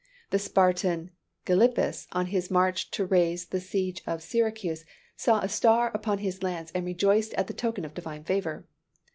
The Spartan Gylippus on his march to raise the siege of Syracuse, saw a star upon his lance and rejoiced at the token of divine favor.